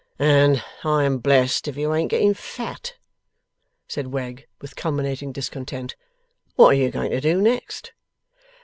'And I am blest if you ain't getting fat!' said Wegg, with culminating discontent. 'What are you going to do next?